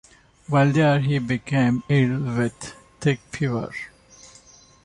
While there, he became ill with tick fever.